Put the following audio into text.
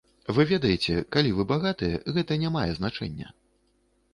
Вы ведаеце, калі вы багатыя, гэта не мае значэння.